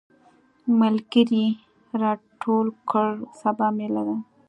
ملګري راټول کړه سبا ميله ده.